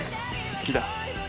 「好きだ」